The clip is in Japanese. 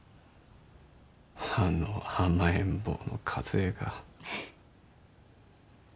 あの甘えん坊の和枝が。